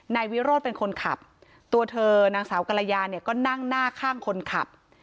นายวิโรธเป็นคนขับตัวเธอนางสาวกรยาเนี่ยก็นั่งหน้าข้างคนขับ